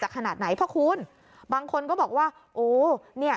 ขนาดไหนพ่อคุณบางคนก็บอกว่าโอ้เนี่ย